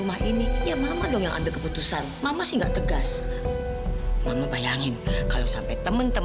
mana ada suami yang gak dilayanin sama istrinya